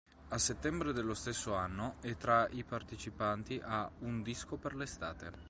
A settembre dello stesso anno è tra i partecipanti a "Un disco per l'estate".